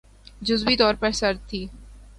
جزوی طور پر سرد تھِی